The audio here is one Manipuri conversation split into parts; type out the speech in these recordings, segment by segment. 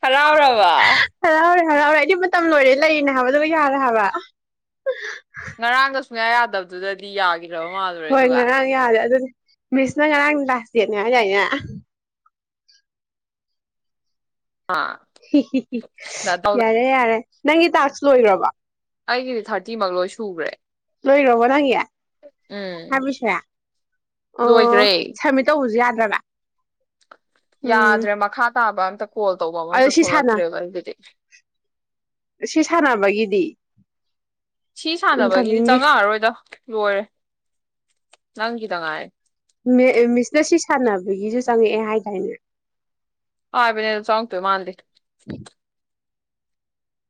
ꯍꯔꯥꯎ ꯔꯕ ꯍꯔꯥꯎꯔꯦ ꯍꯔꯥꯎꯔꯦ ꯑꯩꯗꯤ ꯃꯇꯝ ꯂꯣꯏꯔꯦ ꯂꯩꯅꯦ ꯍꯥꯏꯕꯗꯨꯕꯨ ꯌꯥꯔꯦ ꯍꯥꯏꯕ ꯉꯔꯥꯡꯒ ꯁꯨꯡꯌꯥ ꯌꯥꯗꯕꯗꯨꯗꯗꯤ ꯌꯥꯒꯦ ꯍꯣꯏ ꯉꯔꯥꯡ ꯌꯥꯔꯦ ꯑꯗꯨꯗꯤ ꯃꯤꯁꯅꯉꯅꯪ ꯂꯥꯁ ꯌꯦꯅꯉ ꯀꯅ ꯑꯥ ꯌꯥꯔꯦ ꯌꯥꯔꯦ ꯅꯪꯒꯤ ꯇꯥꯛꯁ ꯂꯣꯏꯈ꯭ꯔꯕ ꯁꯨꯋꯦ ꯂꯣꯏꯈ꯭ꯔꯕꯣ ꯅꯪꯒꯤ ꯎꯝ ꯍꯥꯏꯕꯤꯁꯦ ꯂꯣꯏꯈ꯭ꯔꯦ ꯑꯣ ꯁꯕꯃꯤꯠ ꯇꯧꯕꯁꯨ ꯌꯥꯗ [unintelligible] ꯌꯥꯗ꯭ꯔꯦ ꯃ ꯈꯥ ꯇꯥꯕ ꯀꯣꯜ ꯇꯧꯕ ꯑꯃ ꯑꯗꯣ ꯑꯝꯇ ꯁꯤ ꯁꯥꯟꯅ ꯊꯣꯛꯂꯛꯇ꯭ꯔꯦꯕ ꯑꯩꯒꯤꯗꯤ ꯁꯤ ꯁꯥꯟꯅꯕꯒꯤꯗꯤ ꯁꯤ ꯁꯥꯟꯅꯕꯒꯤꯗꯤ ꯏꯟꯀꯃꯤꯡꯒꯤ ꯆꯉꯛꯑꯔꯣꯏꯗꯣ ꯂꯣꯏꯔꯦ ꯅꯪꯒꯤꯈꯤꯇ ꯉꯥꯏ ꯃꯤꯁꯅ ꯁꯤ ꯁꯥꯟꯅꯕꯒꯤꯁꯨ ꯆꯪꯉꯛꯑꯦ ꯍꯥꯏꯗꯥꯏꯅꯦ ꯑꯕꯅꯦ ꯆꯣꯡꯒ ꯇ ꯃꯥꯥꯟꯗ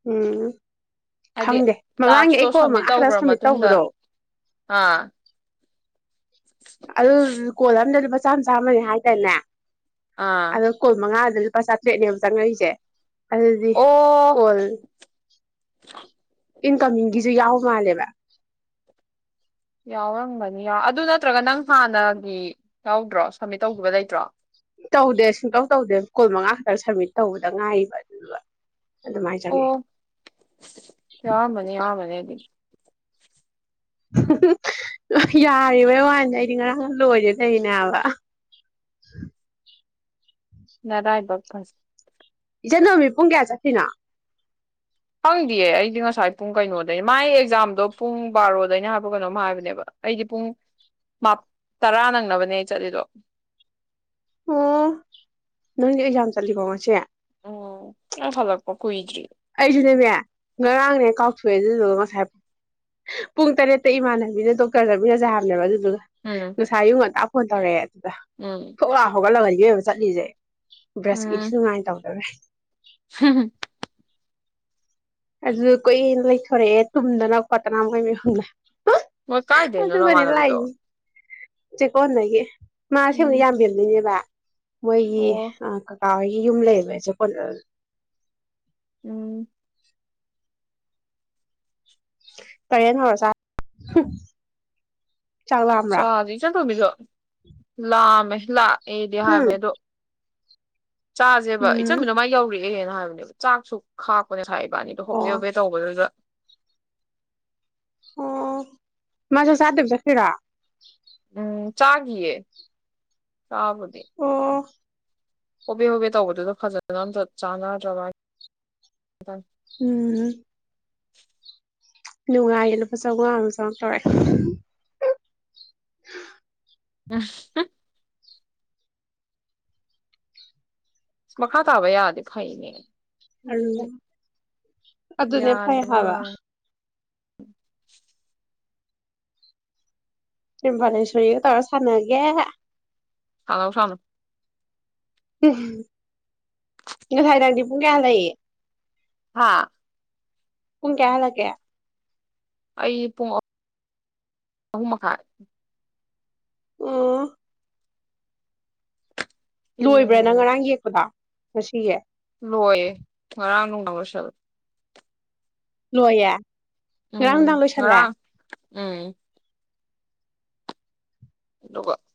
ꯎꯝ ꯍꯥꯏꯗꯤ ꯈꯪꯗꯦ ꯃꯃꯥꯡꯒꯤ ꯇꯥꯛꯁꯇꯣ ꯑꯩ ꯀꯣꯜ ꯁꯞꯃꯤꯠ ꯃꯉꯥ ꯈꯛꯇ ꯇꯧꯈ꯭ꯔ ꯁꯝꯃꯤꯠ ꯃꯇꯨꯡꯗ ꯇꯧꯕꯗꯣ ꯑꯥ ꯀꯣꯜ ꯑꯝꯗ ꯂꯨꯄꯥ ꯆ ꯆꯥ ꯆꯥꯝꯃꯅꯤ ꯍꯥꯏꯇꯥꯔꯦꯅꯦ ꯑꯥ ꯑꯗ ꯀꯜꯃꯉꯥꯡ ꯑꯗꯨ ꯂꯨꯄꯥ ꯆꯥꯇ꯭ꯔꯦꯠꯅꯦ ꯑꯃ ꯆꯪꯉꯛꯏꯁꯦ ꯑꯗꯨꯗꯤ ꯑꯣ ꯀꯣꯜ ꯏꯟꯀꯃꯤꯡꯒꯤꯁꯨ ꯌꯥꯎ ꯃꯥꯜꯂꯦꯕ ꯌꯥꯎꯔꯝꯕꯅꯤ ꯑꯗꯨ ꯅꯠꯇ꯭ꯔꯒ ꯅꯪ ꯍꯥꯟꯅꯒꯤ ꯌꯥꯎꯗ꯭ꯔꯣ ꯁꯕꯃꯤꯠ ꯇꯧꯈꯤꯕ ꯂꯩꯇ꯭ꯔꯣ ꯇꯧꯗꯦ ꯁꯨꯡꯇꯧ ꯇꯧꯗꯦ ꯀꯣꯜ ꯃꯉꯥ ꯈꯛꯇꯪ ꯁꯔꯃꯤꯠ ꯇꯧꯕꯗ ꯉꯥꯏꯕ ꯑꯗꯨꯗꯨꯒ ꯑꯗꯨꯃꯥꯏꯅ ꯑꯣ ꯆꯪꯉꯛꯑꯦ ꯌꯥꯝꯅꯤ ꯌꯥꯅꯤ ꯎ ꯌꯥꯔꯤꯕꯩ ꯋꯥꯟꯗꯤ ꯑꯩꯗꯤ ꯉꯔꯥꯡ ꯂꯣꯏꯔꯦ ꯂꯩꯅꯦꯕ ꯅ ꯔꯥꯏꯕꯄ ꯏꯆꯟ ꯅꯨꯃꯤꯠ ꯄꯨꯡ ꯀꯌꯥ ꯆꯠꯁꯤꯅꯣ ꯐꯪꯗꯤꯌꯦ ꯑꯩꯗꯤ ꯉꯁꯥꯏ ꯄꯨꯡ ꯀꯩꯅꯣꯗ ꯃꯥꯏ ꯑꯦꯛꯖꯥꯝꯗꯣ ꯄꯨꯡ ꯕꯥꯔꯣꯗꯩꯅ ꯍꯥꯏꯕ ꯀꯩꯅꯣꯝ ꯍꯥꯏꯕꯅꯦꯕ ꯑꯩꯗꯤ ꯄꯨꯡ ꯇꯔꯥ ꯅꯪꯅꯕꯅꯦ ꯑꯩ ꯆꯠꯂꯤꯗꯣ ꯑꯣ ꯅꯣꯏ ꯑꯦꯖꯥꯝ ꯆꯠꯂꯤꯀꯣ ꯉꯁꯦ ꯑꯣ ꯑ ꯐꯂ ꯀꯣ ꯀꯏꯗ꯭ꯔꯤ ꯑꯩꯁꯨꯅꯦꯅꯦ ꯉꯔꯥꯡꯅꯦ ꯀꯥꯎꯊꯣꯛꯑꯦ ꯑꯗꯨꯗꯨꯒ ꯉꯁꯥꯏ ꯄꯨꯡ ꯇꯔꯦꯠꯇ ꯏꯃꯥꯟꯅꯕꯤꯅ ꯗꯣꯛꯇꯔ ꯆꯃꯤꯔꯖ ꯍꯥꯝꯅꯦꯕ ꯑꯗꯨ ꯎꯝ ꯉꯁꯥꯏ ꯉ ꯍꯣ ꯇꯔꯦꯦ ꯎꯝ ꯍ ꯍꯒ ꯂꯒꯟ ꯌꯦ ꯆꯠꯂꯤꯁꯦ ꯕ꯭ꯔꯁꯀꯤꯦꯠꯁꯨ ꯅꯨꯡꯉꯥꯏꯅ ꯇꯧꯗꯧꯔꯦ ꯍꯝ ꯑꯗꯨ ꯀꯨꯌꯦꯅ ꯂꯩꯊꯣꯔꯛꯑꯦ ꯇꯨꯝꯗꯅ ꯈꯣꯠꯇꯅ ꯃꯣꯏ ꯃꯌꯨꯝꯗ ꯃꯣꯏ ꯀꯥꯏꯗꯦ ꯅꯣꯅꯣ ꯃꯥꯅꯕꯤꯗꯣ ꯁꯤ ꯀꯣꯟ ꯅꯒꯦ ꯃꯥ ꯁ ꯁꯦꯝꯧꯅꯤ ꯌꯥꯝꯕꯤꯔꯅꯤꯅꯦꯕ ꯃꯣꯏꯒꯤ ꯑꯣ ꯀꯀꯥ ꯍꯣꯏ ꯌ ꯂꯩꯕꯁꯦ ꯄ ꯎꯝ ꯀꯔꯤꯦꯅ ꯍꯧꯔꯁ ꯆ ꯏ ꯆ ꯊꯣꯃꯤꯁꯨ ꯂ ꯃꯂꯥ ꯑꯩꯗꯤ ꯍꯨꯝ ꯍꯥꯏꯕ ꯑꯗꯣ ꯆꯥꯁꯦꯕ ꯏꯆꯝ ꯎꯝ ꯃꯤꯅꯃꯥꯏ ꯌꯧꯔꯤ ꯦꯅ ꯍꯥꯏꯕꯅꯦꯕ ꯆꯥꯛꯁꯨ ꯈꯥꯛꯄꯅꯦ ꯏꯕꯥꯅꯤꯗꯣ ꯍꯣꯕꯦ ꯑꯣ ꯍꯣꯕꯦ ꯇꯧꯕꯗꯨꯗ ꯑꯣ ꯃꯥꯁꯥ ꯁꯥꯕꯗ ꯈꯤꯔ ꯎꯝ ꯆꯥꯒꯦ ꯇꯕꯗꯦ ꯑꯣ ꯍꯣꯕꯦ ꯍꯣꯕꯦ ꯇꯧꯕꯗꯨꯗ ꯐꯖꯅ ꯑꯝꯇ ꯆꯥꯟꯅꯗ꯭ꯔꯕꯇ ꯎꯝ [unintelligible] ꯅꯨꯡꯉꯥꯏꯌꯦ ꯂꯨꯄꯥ ꯆꯥꯝꯃꯉꯥ ꯑꯃꯨ ꯆꯥꯝꯃꯉꯥ ꯇꯧꯔꯑꯦ ꯎꯝ ꯃꯈꯥ ꯇꯥꯕ ꯌꯥꯗꯦ ꯐꯩꯅꯦ ꯑ ꯎꯝ ꯑꯗꯨꯅꯦ ꯐꯩ ꯍꯥꯏꯕ ꯎꯝ ꯁꯤꯔꯤꯝꯚꯅꯦꯦꯁꯔꯤꯒ ꯇꯥꯔꯣ ꯁꯥꯟꯅꯒꯦ ꯍꯂꯥꯎ ꯐꯅ ꯀꯩꯅꯣ ꯐꯥꯏ ꯇꯗꯤ ꯄꯨꯡ ꯀꯌꯥ ꯂꯩꯌꯦ ꯍꯥꯥ ꯀꯨꯨꯡ ꯀꯌꯥ ꯍꯜꯂꯛꯒꯌꯥ ꯑꯩ ꯄꯨꯡ ꯑꯍꯨꯝ ꯃꯀꯥꯟ ꯎ ꯂꯣꯏꯕ꯭ꯔꯥ ꯅꯪ ꯌꯦꯡꯉꯦ ꯉꯔꯥꯡ ꯌꯦꯛꯄꯗ ꯃꯁꯤꯁꯤꯦ ꯂꯣꯏꯌꯦ ꯉꯔꯥꯡ ꯅꯨꯡꯉꯥꯏ ꯃꯁꯜ ꯂ ꯔꯥꯡꯗꯥꯡ ꯎꯝ ꯂꯣꯏꯁꯗꯦ ꯉꯔꯥꯡ ꯎꯝ ꯑꯗꯨꯒꯀ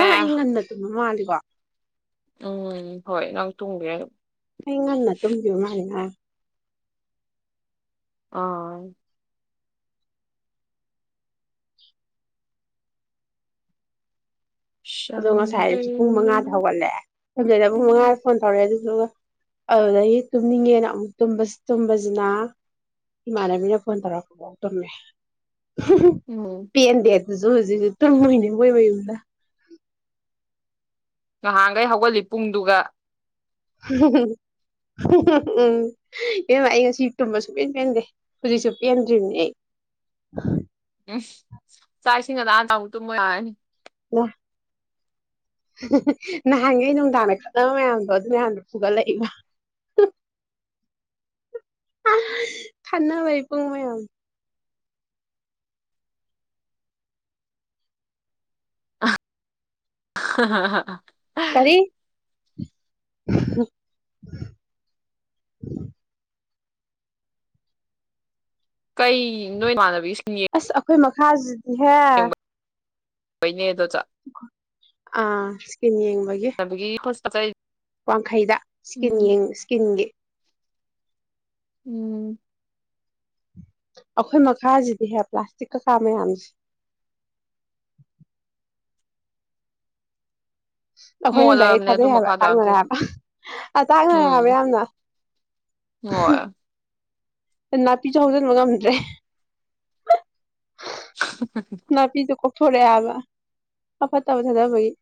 ꯑ ꯍꯟꯅ ꯑꯗꯨꯃ ꯃꯥꯂꯤ ꯋꯥ ꯎꯝ ꯍꯣꯏ ꯉꯥꯡ ꯇꯣꯡꯗꯔ ꯑꯗꯨ ꯍ ꯉꯅ ꯇꯦ ꯃꯥꯅ ꯑ ꯑꯗꯣ ꯉꯁꯥꯏ ꯁꯪꯕꯩ ꯍꯥꯏꯁꯨ ꯄꯨꯡ ꯃꯉꯥꯗ ꯍꯧꯒꯠꯂꯦ ꯁꯗꯗ ꯄꯨꯡ ꯃꯉꯥꯗ ꯐꯣꯟ ꯇꯧꯔꯛꯑꯦ ꯑꯗꯨ ꯑꯗꯨꯒ ꯑꯗꯨꯗꯒꯤ ꯇꯨꯝꯅꯤꯡꯉꯦꯅ ꯑꯃꯨꯛ ꯇꯨꯝꯕꯁꯤꯅ ꯏꯃꯥꯟꯅꯕꯤꯅ ꯐꯣꯟ ꯇꯧꯔꯛꯄꯐꯥꯎ ꯇꯨꯝꯃꯦ ꯎꯝ ꯄꯤ ꯑꯦꯟꯕꯤꯁꯨ ꯍꯧ ꯇꯔꯃꯣꯏꯅꯦꯕꯨꯣꯏꯕ ꯍꯗ ꯉꯍꯥꯟꯈꯩ ꯍꯧꯒꯠꯂꯤ ꯄꯨꯡꯗꯨꯒ ꯎ ꯎꯝ ꯏꯦꯝꯃ ꯑꯩ ꯉꯁꯤ ꯇꯨꯝꯕ ꯁꯨꯡꯄꯦꯟ ꯄꯦꯟꯗꯦ ꯍꯧꯖꯤꯛꯁꯨ ꯄꯦꯟꯗ꯭ꯔꯤꯕꯅꯤ ꯑꯩ ꯎꯝ ꯆꯥꯛ ꯏꯁꯤꯡ ꯑꯗ ꯑꯥꯗ ꯑꯃꯨꯛ ꯇꯨꯝꯕ ꯌꯥꯔꯅꯤ ꯅꯍꯥꯟꯒ ꯅꯨꯡꯗꯥꯡꯅ ꯈꯠꯅꯕ ꯃꯌꯥꯝꯗꯣ ꯑꯗꯨ ꯃꯌꯥꯝꯗꯣ ꯐꯒꯠꯂꯛꯏꯕ ꯊꯥꯟꯅ ꯂꯩ ꯄꯨꯡ ꯃꯌꯥꯝꯌꯥꯝ ꯍ ꯑꯔꯤ [inaudible] ꯀꯩ ꯅꯣꯏꯃꯥꯟꯅꯕꯤꯁꯤꯡ ꯈꯖꯤ ꯍꯦ ꯄꯅꯦꯗ ꯑꯥ ꯁꯀꯤꯅꯤ ꯅ ꯄꯇꯥꯏ ꯋꯥꯡꯈꯩꯗ ꯏꯁꯀꯤꯟꯡ ꯏꯁꯀꯤꯟꯒꯤ ꯎꯝ ꯑꯩꯈꯣꯏ ꯃꯈꯥꯁꯤꯗꯤ ꯍꯦꯛ ꯄ꯭ꯂꯥꯁꯇꯤꯛ ꯀꯀꯥ ꯃꯌꯥꯝꯁꯦ ꯑꯩꯈꯣꯏꯅ ꯂꯗꯥꯏꯔꯤꯛ ꯃꯣꯜꯂꯕꯅꯦ ꯑꯗꯨ ꯊꯥꯗꯩ ꯍꯥꯏꯕ ꯃꯈꯥꯗꯣ ꯌꯥꯝ ꯇꯥꯛꯅꯔꯦ ꯊꯤꯅ ꯍꯥꯏꯕ ꯑ ꯇꯥꯛꯅꯔꯦ ꯍꯥꯏꯕ ꯎꯝ ꯌꯥꯝꯅ ꯍꯣꯏ ꯅꯥꯄꯤꯁꯨ ꯍꯧꯖꯤꯟꯕ ꯉꯝꯗ꯭ꯔꯦ ꯕꯤꯗꯨ ꯀ ꯊꯣꯔꯛꯑꯦ ꯍꯥꯏꯕꯔꯣ ꯑꯐꯠꯇꯕ ꯊꯥꯗꯕꯒꯤ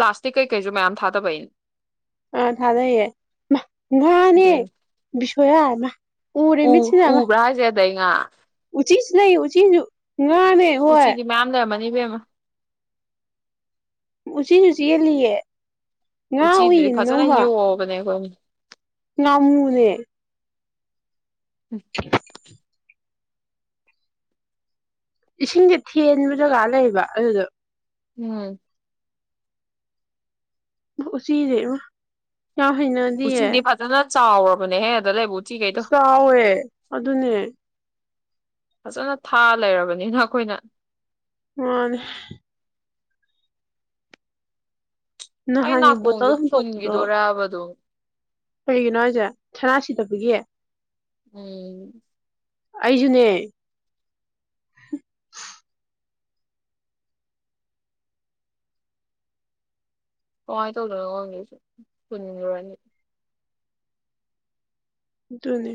ꯄ꯭ꯂꯥꯁꯇꯤꯛ ꯀꯩꯀꯩꯁꯨ ꯃꯌꯥꯝ ꯊꯥꯗꯕꯩꯩꯅ ꯑꯥ ꯊꯥꯖꯩꯌꯦ ꯉꯥꯅꯦ ꯑꯗꯨꯏꯅꯦ ꯁꯌꯥ ꯎꯔꯦ ꯎ ꯃꯤꯠ ꯁꯤꯅ ꯎꯕ꯭ꯔꯥ ꯍꯥꯏꯁꯦ ꯑꯗꯩ ꯉꯥ [unintelligible] ꯉꯥꯅꯦ ꯍꯣꯏ ꯂꯩꯕꯃ ꯎ ꯎꯆꯁꯤ ꯌꯦ ꯂꯤ ꯎꯆꯤꯗꯨꯗꯤ ꯐꯖꯅ ꯌꯣꯛꯑꯕꯅꯦ ꯑꯩꯈꯣꯏ ꯅꯃꯨꯅꯦ [inaudible] ꯏꯁꯤꯡꯁꯦ ꯊꯦꯟꯕ ꯖꯒꯥꯔ ꯂꯩꯕ ꯑꯗꯨꯗꯣ ꯎꯝ ꯎꯁꯤꯗ ꯀ ꯍꯅꯥꯗꯤ ꯑꯦ ꯆꯥꯎꯕ ꯃꯅ ꯍꯦꯍ ꯇꯗꯦ ꯆꯥꯎꯋꯦ ꯑꯗꯨꯅꯦ ꯐꯖꯅ ꯊꯥ ꯂꯩꯔꯕꯅꯤꯅ ꯑꯩꯈꯣꯏꯅ ꯃꯥꯅꯤ ꯑꯩ ꯅꯍꯥꯟꯒꯤ ꯕꯣꯇꯜ ꯅꯥꯀꯣꯡꯁꯦ ꯐꯨꯟꯈꯤꯗꯣꯏꯣꯔꯕꯗꯣ ꯀꯩꯒꯤꯅꯣ ꯍꯥꯏꯁꯦ ꯁꯅꯥ ꯁꯤꯗꯕꯒꯤ ꯎꯝ ꯑꯩꯁꯨꯅꯦ ꯀꯃꯥꯏꯅ ꯇꯧꯗꯣꯏꯅꯣ ꯈꯣꯪꯒꯦꯁ ꯄꯨꯟꯈ꯭ꯔꯅꯤ ꯗꯅꯤ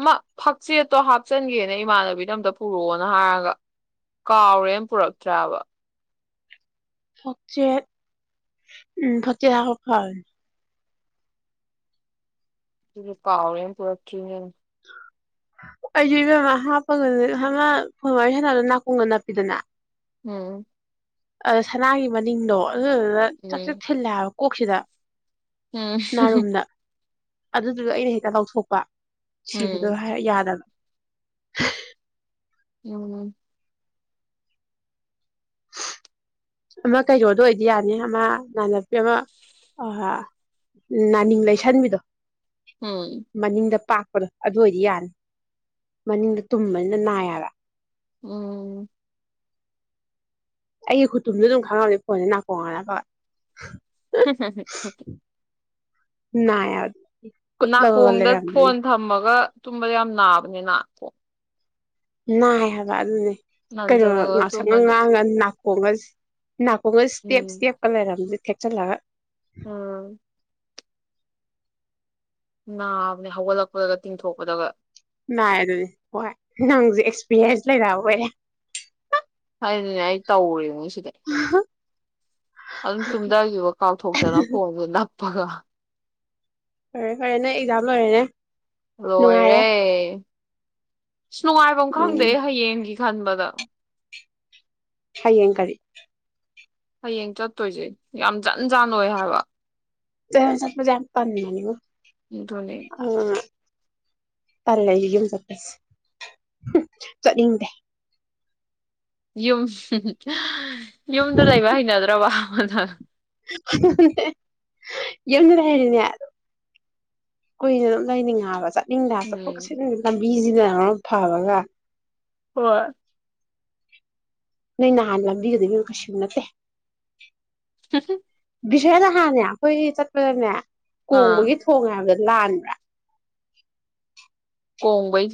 ꯑꯃ ꯐꯛꯆꯦꯠꯇꯣ ꯍꯥꯞꯆꯤꯟꯒꯦꯅ ꯏꯃꯥꯟꯅꯕꯤꯗ ꯑꯝꯇ ꯄꯨꯔꯛꯑꯣꯅ ꯍꯥꯏꯔꯒ ꯀꯥꯎꯔꯦꯅ ꯄꯨꯔꯛꯇ꯭ꯔꯕ ꯐꯆ ꯎꯝ ꯐ ꯐ ꯀꯥꯎꯔꯦꯅ ꯄꯨꯔꯛꯈꯤꯅꯦ ꯑꯩꯁ ꯏꯕꯃꯥ ꯍꯥꯞꯄꯒꯃꯃ ꯁꯅꯥꯗꯣ ꯅꯥꯀꯣꯡꯒ ꯅꯞꯄꯤꯗꯅ ꯎꯝ ꯑ ꯁꯅꯥꯒꯤ ꯃꯅꯤꯡꯗꯣ ꯑꯣ ꯆꯥꯛꯁꯦꯂ ꯑꯣꯁꯤꯗ ꯑꯝ ꯑꯗꯨꯗꯨꯒ ꯑꯩꯅ ꯍꯦꯛꯇ ꯂꯧꯥꯎꯊꯣꯛꯄ ꯁꯤꯕꯗꯣ ꯎꯝ ꯌꯥꯗꯕ ꯌꯥꯃꯅꯦ ꯑꯃ ꯀꯩꯔꯣꯗ ꯑꯣꯏꯗꯤ ꯌꯥꯅꯤ ꯑꯃ ꯅꯅꯥꯟꯅꯄꯤ ꯑꯃ ꯅꯥꯅꯤꯡ ꯂꯩꯁꯟꯕꯤꯗꯣ ꯎꯝ ꯃꯅꯤꯡꯗ ꯄꯥ ꯑꯗꯣ ꯑꯗꯨ ꯑꯣꯏꯗꯤ ꯌꯥꯅꯤ ꯃꯅꯤꯡꯗ ꯇꯨꯝꯕꯅꯤꯅ ꯅꯥꯏꯕ ꯎꯝ ꯑꯩꯒꯤ ꯈꯨꯇꯨꯝꯗ ꯑꯗꯨꯝ ꯈꯪꯉꯝꯅꯤ ꯐꯣꯟꯁꯦ ꯅꯥꯀꯣꯡ ꯉꯂ ꯐ ꯍꯝ ꯍꯝ ꯍꯡ [unintelligible] ꯅꯥꯏꯌꯥꯔ ꯅꯥꯀꯣꯡꯗ ꯐꯣꯟ ꯊꯝꯃꯒ ꯇꯨꯝꯕꯗ ꯌꯥꯝ ꯅꯥꯕꯅꯤꯅ ꯀꯣ ꯅꯥꯏ ꯍꯥꯏꯕ ꯑꯗꯨꯅꯦ ꯀꯩꯅꯣ ꯅꯟꯖꯜꯂꯒ ꯉꯥꯛꯁꯪꯅ ꯇꯨꯝꯃꯗꯤ ꯉꯥꯡꯉ ꯅꯥꯀꯣꯡꯒ ꯅꯥꯀꯣꯡꯒ ꯁ꯭ꯇꯦꯞ ꯎꯝ ꯁꯇꯦꯞ ꯀ ꯂꯩꯔꯝꯖ ꯈꯦꯠꯆꯜꯂꯒ ꯎꯝ ꯅꯥꯕꯅꯦ ꯍꯧꯒꯠꯂꯛꯄꯗꯒ ꯇꯤꯡꯊꯣꯛꯄꯗꯒ ꯥꯅꯥꯏ ꯑꯗꯨꯗꯤ ꯍꯣꯏ ꯅꯪꯁꯦ ꯑꯦꯛꯁꯄꯤꯔꯤꯌꯦꯟꯁ ꯂꯩꯔ ꯑꯣꯏꯔꯦ ꯑꯩꯗꯤꯅꯦ ꯑꯩ ꯇꯧꯔ‌ꯦ ꯁꯤꯗꯩ ꯑꯗꯨꯝ ꯇꯨꯝꯗꯒꯤꯕ ꯀꯥꯎꯊꯣꯛꯇꯅ ꯐꯣꯟꯗꯨ ꯄꯒ ꯐꯔꯦ ꯐꯔꯦꯅꯦ ꯑꯦꯛꯖꯥꯝ ꯂꯣꯏꯔꯦꯅꯦ ꯅꯨꯡꯉꯥꯏꯔꯦ ꯂ‌ꯣꯏꯔꯦ ꯑꯁ ꯅꯨꯡꯉꯥꯏꯕꯝ ꯈꯪꯗꯦ ꯎꯝ ꯑꯩ ꯍꯌꯦꯡꯒꯤ ꯈꯟꯕꯗ ꯍꯌꯦꯡ ꯀꯔꯤ ꯍꯌꯦꯡ ꯆꯠꯇꯣꯏꯁꯦ ꯌꯥꯝ ꯖꯟꯖꯥꯟꯅ ꯑꯣꯏ ꯍꯥꯏꯕ ꯊꯟ ꯆꯠꯄꯁ‌ꯦ ꯌꯥꯝ ꯇꯟꯕꯅꯤꯉ‌ꯣ ꯗꯨꯅꯤ ꯇꯜꯂ‌ꯦ ꯂꯩ ꯌꯨꯝ ꯆꯠꯄꯁꯤ ꯆꯠꯅꯤꯡꯗꯦ ꯌꯨꯝ ꯌꯨꯝꯗ ꯂꯩꯕ ꯍꯩꯅꯗ꯭ꯔꯕ‌ꯣ ꯍ ꯍ [unintelligible] ꯌꯨꯝꯗ ꯂꯩꯔꯤꯅꯦ ꯀꯨꯏꯅ ꯑꯗꯨꯝ ꯂꯩꯅꯤꯡꯉ‌ꯦ ꯍꯥꯏꯕ ꯆꯠ ꯅꯤꯡꯗ‌ꯦ ꯍꯥꯏꯕ ꯆꯠꯊ‌ꯣꯛ ꯎꯝ ꯆꯠꯁꯤꯟ ꯂꯝꯕꯤ ꯁꯤꯅ ꯃꯔ‌ꯣꯜ ꯑꯝ ꯐꯕꯒ ꯍꯣꯏ ꯅꯣꯏ ꯅꯍꯥꯟ ꯂꯝꯕꯤꯒꯗꯣ ꯏꯕ‌ꯦꯝꯃ ꯀꯩꯁꯨ ꯅꯠꯇꯦ ꯕꯤꯁꯌꯥ ꯅꯍꯥꯟꯅꯦ ꯑꯩꯈꯣꯏ ꯆꯠꯄꯗꯅꯦ ꯑꯥ ꯀꯣꯡꯕꯒꯤ ꯊꯣꯡ ꯍꯥꯏꯕꯗ ꯂꯥꯟ ꯀ‌ꯣꯡꯕꯩ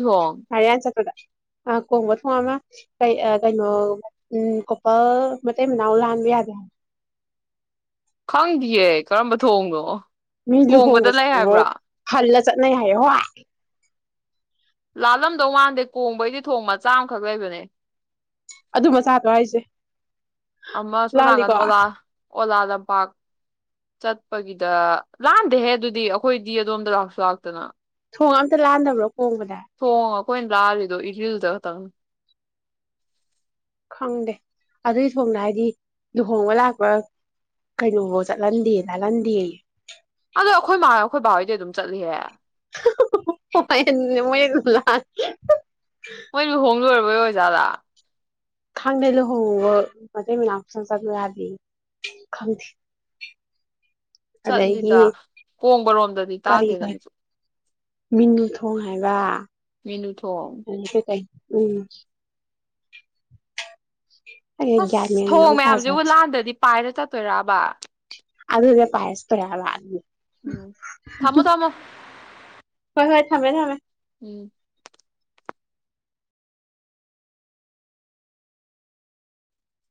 ꯉꯥꯔꯌꯥꯟ ꯆꯠꯄꯗ ꯑ ꯀꯣꯡꯕ ꯊꯣꯡ ꯑꯃ ꯀꯩ ꯀꯩꯅꯣ ꯎꯝ ꯀꯣꯄꯜ ꯃꯇꯩ ꯃꯅꯥꯎ ꯂꯥꯟꯕ ꯌꯥꯗꯦ ꯍꯥꯏ ꯈꯪꯗꯤꯌ‌ꯦ ꯀꯔꯝꯕ ꯊꯣꯡꯅꯣ ꯃꯤ ꯀꯣꯡꯕꯗ ꯂꯩ ꯂꯨꯍꯣꯡꯕ ꯍꯥꯏꯕ꯭ꯔꯥ ꯍꯜꯂ ꯆ ꯍꯥꯏ ꯍ ꯂꯥꯜꯂꯝꯗꯧ ꯃꯥꯟꯗꯦ ꯀꯣꯡꯕꯩꯗꯤ ꯊꯣꯡ ꯃꯆꯥ ꯑꯃꯈꯛ ꯂꯩꯕꯅꯦ ꯑꯗꯨ ꯃꯆꯥꯥꯗꯣ ꯍꯥꯏꯁꯦ ꯑꯃ ꯁꯣ ꯅꯥꯀꯟ ꯂꯥꯜꯂꯤꯀꯣ ꯑꯣꯂꯥ ꯑꯣꯂꯥ ꯂꯝꯄꯥꯛ ꯆꯠꯄꯒꯤꯗ ꯂꯥꯟꯗꯦꯍꯦ ꯑꯗꯨꯗꯤ ꯑꯩꯈꯣꯏꯗꯤ ꯑꯗꯣꯝꯗ ꯂꯥꯛꯁꯨ ꯂꯥꯛꯇꯅ ꯊꯣꯡ ꯑꯝꯇ ꯂꯥꯛꯍꯗꯕ꯭ꯔꯣ ꯇꯉ ꯀꯣꯏ ꯂꯥ ꯂ ꯂꯤꯗꯣ ꯏꯠꯂꯤ ꯂꯗ ꯇ ꯈꯪꯗꯦ ꯑꯗꯨꯏ ꯊꯣꯡꯗ ꯍꯥꯏꯗꯤ ꯂꯨꯍꯣꯡꯕ ꯂꯥꯛꯄ ꯀꯩꯅꯣ ꯆꯠꯍꯟꯗꯦ ꯂꯥꯜꯍꯟꯗꯦ ꯑꯗꯣ ꯑꯩꯈꯣꯏ ꯃꯥ ꯑꯩꯈꯣꯏ ꯕꯥꯍꯣꯏꯗꯤ ꯑꯗꯨꯝ ꯆꯠꯂꯤꯍꯦ ꯃꯣꯏ ꯂ ꯍꯣꯏ ꯍꯣꯡꯔ ꯁꯣꯖꯗꯥ ꯈꯥꯡꯗ ꯂ ꯍ ꯃꯅꯁꯟ ꯆ ꯑꯗꯨ ꯌꯥꯗꯤ ꯈꯪ ꯆꯠꯂꯤꯗ ꯀꯣꯡꯕꯔꯣꯝꯗꯗꯤ ꯀꯔꯤ ꯇꯥꯗꯦꯗ ꯀꯔꯤ ꯃꯤꯁꯨ ꯃꯤꯅꯨ ꯊꯣꯡ ꯍꯥꯏꯕ ꯍ ꯃꯦꯅꯨ ꯊꯣꯡ ꯀ ꯎꯝ ꯑ ꯑꯒꯔ ꯃ ꯇꯥꯖ ꯄꯥꯏꯔꯦ ꯆ ꯇꯣꯏꯔꯕ ꯑꯗꯨꯗ ꯄꯥꯏꯁꯄꯔ ꯍꯥꯏꯕ ꯎꯝ ꯊꯝꯃꯣ ꯊꯝꯃꯣ ꯊꯃꯦ ꯊꯃꯦ ꯎꯝ